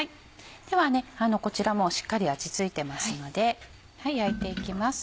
ではこちらしっかり味付いてますので焼いていきます。